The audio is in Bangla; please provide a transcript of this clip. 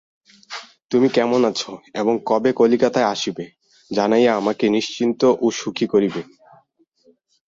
তুমি কেমন আছ এবং কবে কলিকাতায় আসিবে, জানাইয়া আমাকে নিশ্চিন্ত ও সুখী করিবে।